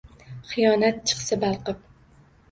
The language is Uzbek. Xiyonat chiqsa balqib.